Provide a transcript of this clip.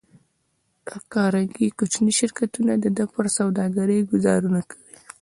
د کارنګي کوچني شرکتونه د ده پر سوداګرۍ ګوزارونه کوي